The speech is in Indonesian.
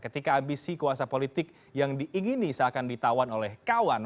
ketika ambisi kuasa politik yang diingini seakan ditawan oleh kawan